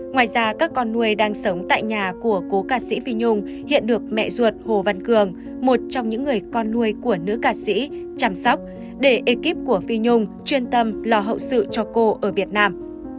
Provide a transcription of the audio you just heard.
ngoài ra các con nuôi đang sống tại nhà của cố ca sĩ phi nhung hiện được mẹ ruột hồ văn cường một trong những người con nuôi của nữ ca sĩ chăm sóc để ekip của phi nhung chuyên tâm lo hậu sự cho cô ở việt nam